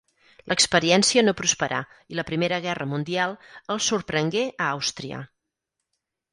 L'experiència no prosperà i la Primera Guerra Mundial els sorprengué a Àustria.